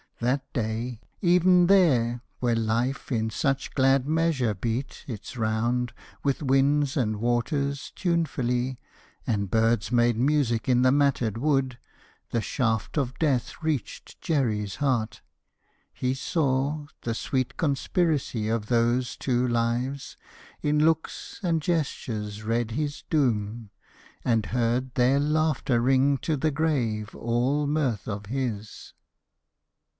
That day, Ev'n there where life in such glad measure beat Its round, with winds and waters, tunefully, And birds made music in the matted wood, The shaft of death reached Jerry's heart: he saw The sweet conspiracy of those two lives, In looks and gestures read his doom, and heard Their laughter ring to the grave all mirth of his.